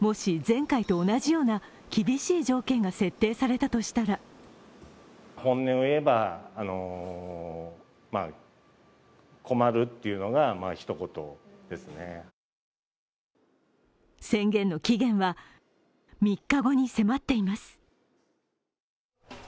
もし前回と同じような厳しい条件が設定されたとしたら宣言の期限は３日後に迫っています。